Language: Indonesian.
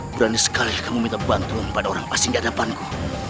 berani sekali kamu minta bantuan kepada orang asing di hadapanku